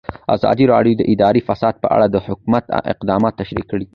ازادي راډیو د اداري فساد په اړه د حکومت اقدامات تشریح کړي.